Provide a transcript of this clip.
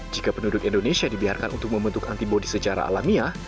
jika penduduk indonesia dibiarkan untuk membentuk antibody secara alamiah